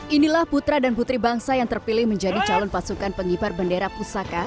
inilah putra dan putri bangsa yang terpilih menjadi calon pasukan pengibar bendera pusaka